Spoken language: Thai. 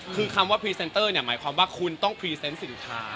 คือคำว่าพรีเซนเตอร์เนี่ยหมายความว่าคุณต้องพรีเซนต์สินค้า